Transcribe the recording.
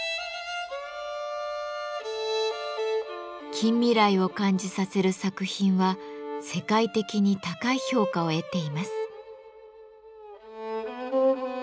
近未来を感じさせる作品は世界的に高い評価を得ています。